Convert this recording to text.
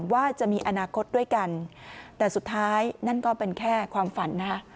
ว่าจะมีอนาคตด้วยกันแต่สุดท้ายนั่นก็เป็นแค่ความฝันนะคะ